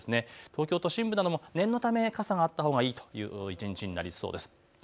東京都心部なども念のため傘があったほうがいいという一日になりそうです。